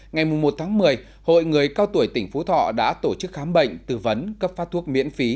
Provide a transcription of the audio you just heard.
ngày một một mươi hội người cao tuổi tỉnh phú thọ đã tổ chức khám bệnh tư vấn cấp phát thuốc miễn phí